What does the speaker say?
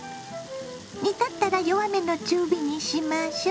煮立ったら弱めの中火にしましょ。